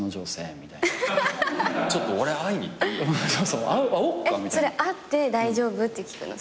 それ会って「大丈夫？」って聞くの？